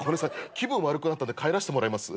気分悪くなったんで帰らしてもらいます。